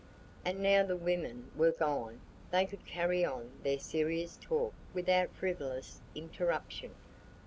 And now the women were gone, they could carry on their serious talk without frivolous interruption.